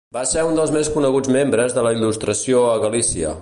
Va ser un dels més coneguts membres de la Il·lustració a Galícia.